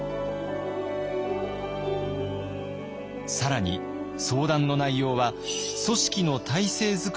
更に相談の内容は組織の体制づくりにも至っていたと